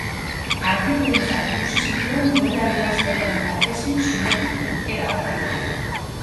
Argi printzak ikusi zituen duela hiru aste baina ezin zulotik erabat atera.